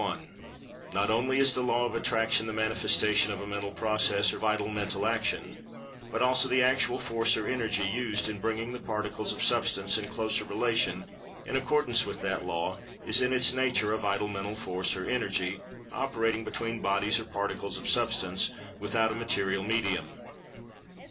—Not only is the Law of Attraction the manifestation of a Mental Process, or Vital Mental Action; but also the actual Force or Energy used in bringing the Particles of Substance in closer relation, in accordance with that Law, is in its nature a Vital Mental Force or Energy, operating between bodies or particles of Substance, without a material medium.